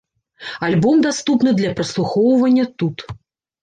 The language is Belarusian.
Альбом даступны для праслухоўвання тут.